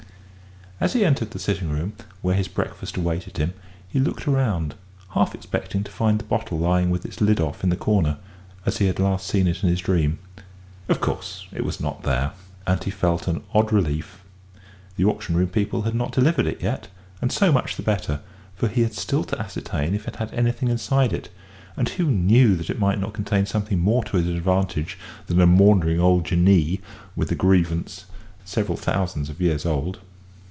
As he entered the sitting room, where his breakfast awaited him, he looked round, half expecting to find the bottle lying with its lid off in the corner, as he had last seen it in his dream. Of course, it was not there, and he felt an odd relief. The auction room people had not delivered it yet, and so much the better, for he had still to ascertain if it had anything inside it; and who knew that it might not contain something more to his advantage than a maundering old Jinnee with a grievance several thousands of years old?